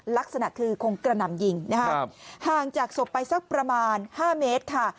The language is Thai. ลักษณะคือคงกระหน่ำยิงนะครับห่างจากศพไปสักประมาณ๕เมตรค่ะ